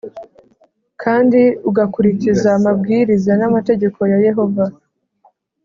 kandi ugakurikiza amabwiriza n’amategeko ya Yehova